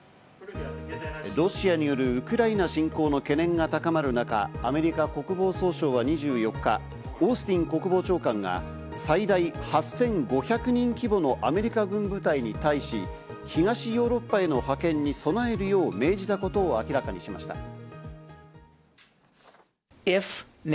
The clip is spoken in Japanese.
ロシアによるウクライナ侵攻の懸念が高まる中、アメリカ国防総省は２４日、オースティン国防長官が最大８５００人規模のアメリカ軍部隊に対し、東ヨーロッパへの派遣に備えるよう、命じたことを明らかにしました。